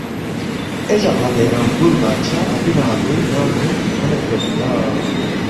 اے جق لہ بہرام گول بادشاہ اپی نہ اپوے ننگ نُو تھونیدپا جُویا